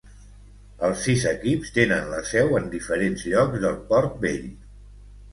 Els sis equips tenen la seu en diferents llocs del Port Vell